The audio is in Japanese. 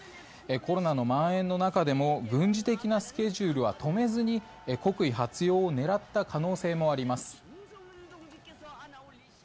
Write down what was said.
コロナのまん延の中でも軍事的なスケジュールは止めずに国威発揚を狙った可能性もあります。